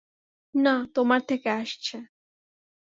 না, তোমার থেকে আসছে।